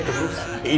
kok senang gitu